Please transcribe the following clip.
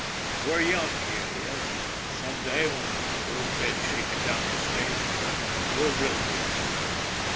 We're young here yet. Some day, when the roadbed's shaken down to stay, we'll build the extras."